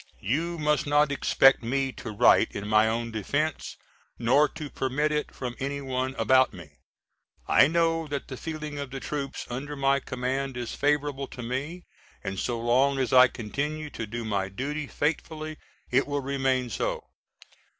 You must not expect me to write in my own defence nor to permit it from any one about me. I know that the feeling of the troops under my command is favorable to me and so long as I continue to do my duty faithfully it will remain so.